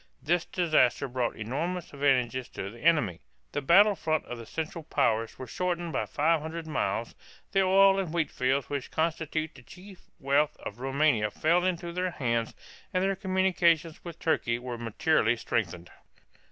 This disaster brought enormous advantages to the enemy. The battle front of the Central Powers was shortened by five hundred miles, the oil and wheat fields which constitute the chief wealth of Roumania fell into their hands, and their communications with Turkey were materially strengthened.